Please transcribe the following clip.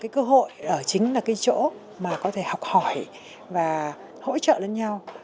cơ hội ở chính là chỗ có thể học hỏi và hỗ trợ lẫn nhau